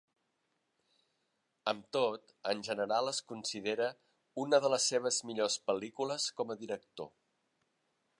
Amb tot, en general es considera una de les seves millors pel·lícules com a director.